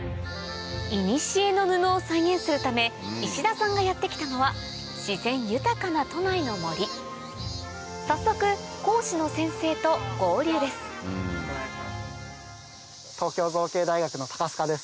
いにしえの布を再現するため石田さんがやって来たのは自然豊かな都内の森早速講師の先生と合流です東京造形大学の高須賀です。